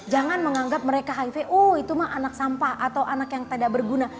jangan menganggap mereka hiv oh itu mah anak sampah atau anak yang tidak berguna